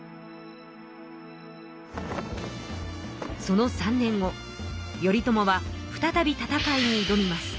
その３年後頼朝は再び戦いにいどみます。